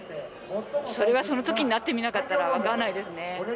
それはその時になってみなかったら分かんないですね